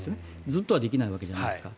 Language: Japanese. ずっとはできないわけじゃないですか。